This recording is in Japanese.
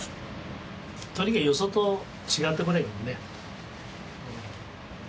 とにかくよそと違ってこないかんね。